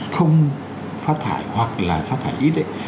không phát thải hoặc là phát thải ít